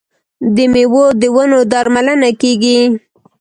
د میوو د ونو درملنه کیږي.